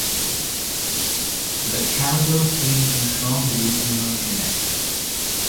The caudal fin is strongly emarginate.